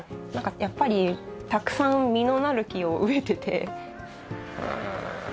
やっぱりたくさん実のなる木を植えてて。